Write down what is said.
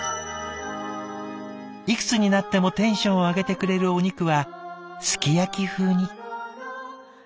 「いくつになってもテンションを上げてくれるお肉はすき焼き風に。